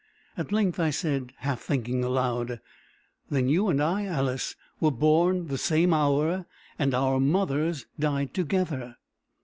At length I said, half thinking aloud: "Then you and I, Alice, were born the same hour, and our mothers died together."